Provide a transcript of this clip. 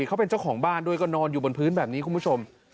เขาเป็นเจ้าของบ้านด้วยก็นอนอยู่บนพื้นแบบนี้คุณผู้ชม